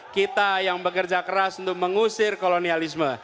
kita yang bekerja keras untuk mengusir kolonialisme